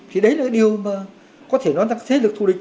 thì đấy là điều mà có thể nói rằng thế lực thù địch